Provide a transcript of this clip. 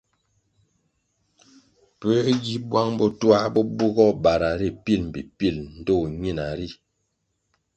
Puē gi bwang bo twā bo bugoh bara ri pil mbpi pil ndtoh ñina ri?